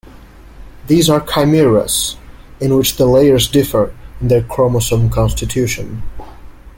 These are chimeras in which the layers differ in their chromosome constitution.